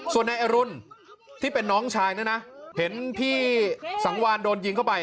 ส่วนนายอรุณที่เป็นน้องชายเนี่ยนะเห็นพี่สังวานโดนยิงเข้าไป